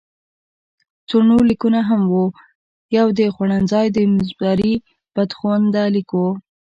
څو نور لیکونه هم وو، یو د خوړنځای د زمري بدخونده لیک وو.